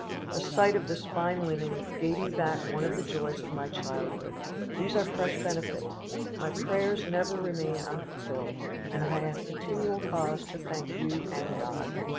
The sight of this fine linen gave me back one of the joys of my childhood. These are fresh benefits. My prayers never remain unfulfilled, and I have continual cause to thank you and God.